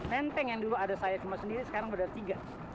menteng yang dulu ada saya cuma sendiri sekarang berada tiga